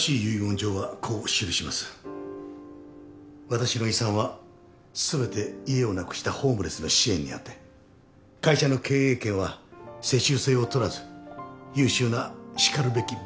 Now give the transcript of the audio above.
私の遺産は全て家をなくしたホームレスの支援に充て会社の経営権は世襲制をとらず優秀なしかるべき部下に譲ると。